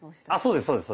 あそうです